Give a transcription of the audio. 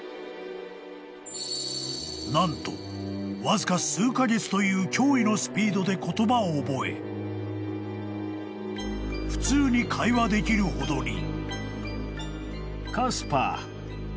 ［何とわずか数カ月という驚異のスピードで言葉を覚え普通に会話できるほどに］